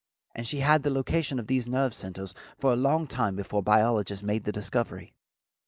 And she had the location of these nerve centers for a long time before biologists made the discovery.